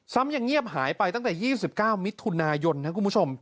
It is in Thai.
ยังเงียบหายไปตั้งแต่๒๙มิถุนายนนะคุณผู้ชม